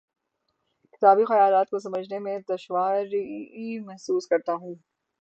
کتابی خیالات کو سمجھنے میں دشواری محسوس کرتا ہوں